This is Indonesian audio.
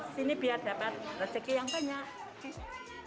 sini biar dapat rezeki yang banyak